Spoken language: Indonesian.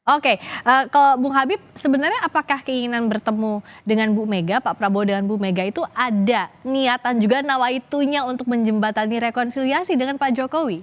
oke kalau bung habib sebenarnya apakah keinginan bertemu dengan bu mega pak prabowo dengan bu mega itu ada niatan juga nawaitunya untuk menjembatani rekonsiliasi dengan pak jokowi